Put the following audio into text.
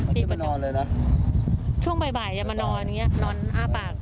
น่ะปลายไปช่วงบ่ายบ่ายจะมานอนอย่างเงี้ยนอนอ้าปาก